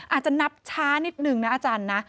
อาจจะนับช้านิดนึงนะอาจารย์นะ